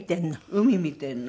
海見てるの。